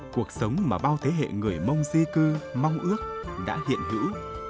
cuộc sống mà bao thế hệ người mông di cư mong ước đã hiện hữu